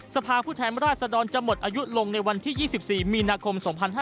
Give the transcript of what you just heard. สภาพผู้แทนราชดรจะหมดอายุลงในวันที่๒๔มีนาคม๒๕๕๙